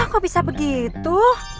kok bisa begitu